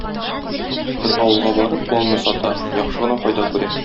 Бер авылга барып, балны сата, яхшы гына файда күрә.